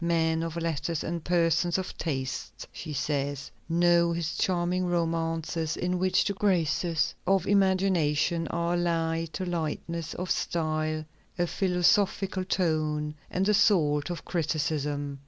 "Men of letters and persons of taste," she says, "know his charming romances, in which the graces of imagination are allied to lightness of style, a philosophical tone, and the salt of criticism.